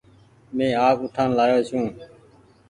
مينٚ آپ اُٺآن لآيو ڇوٚنٚ